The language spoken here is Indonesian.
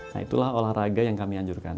nah itulah olahraga yang kami anjurkan